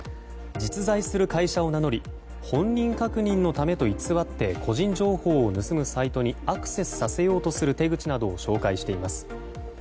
実在する会社を名乗り本人確認のためと偽って個人情報を盗むサイトにアクセスさせようとする手口などを紹介しています。